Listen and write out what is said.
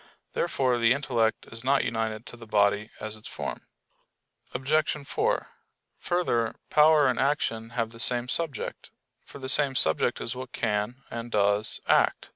Therefore the intellect is not united to the body as its form. Obj. 4: Further, power and action have the same subject; for the same subject is what can, and does, act.